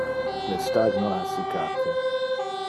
Le stagno ha siccate.